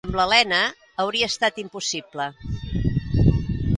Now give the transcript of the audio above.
Amb l'Elena, hauria estat impossible.